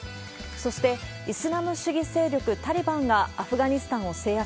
そして、イスラム主義勢力タリバンがアフガニスタンを制圧。